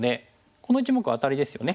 この１目アタリですよね。